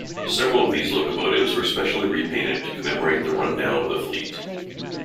Several of these locomotives were specially repainted to commemorate the run-down of the fleet.